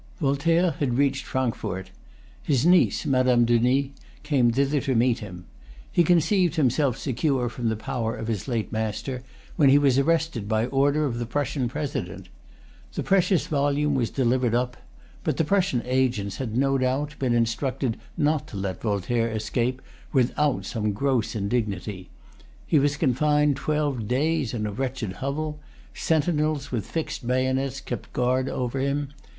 Voltaire had reached Frankfort. His niece, Madame Denis, came thither to meet him. He conceived himself secure from the power of his late master, when he was arrested by order of the Prussian president. The precious volume was delivered up. But the Prussian agents had, no doubt, been instructed not to let Voltaire escape without some gross indignity. He was confined twelve days in a wretched hovel. Sentinels with fixed bayonets kept guard over him.